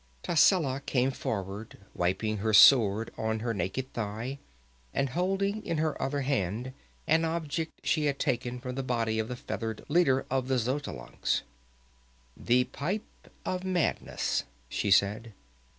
Tascela came forward, wiping her sword on her naked thigh, and holding in her other hand an object she had taken from the body of the feathered leader of the Xotalancas. "The pipes of madness," she said.